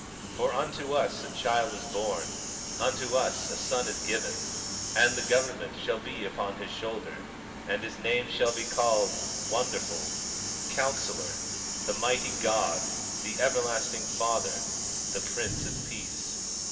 19:6 For unto us a child is born, unto us a son is given; and the government shall be upon his shoulder; and his name shall be called, Wonderful, Counselor, The Mighty God, The Everlasting Father, The Prince of Peace.